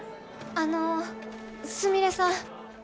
あのすみれさん。